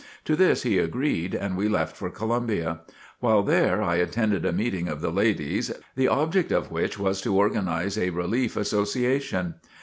To this he agreed and we left for Columbia. While there I attended a meeting of the ladies, the object of which was to organize a Relief Association.